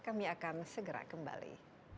kami akan segera kembali